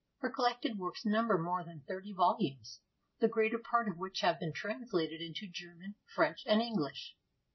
Her collected works number more than thirty volumes, the greater part of which have been translated into German, French, and English.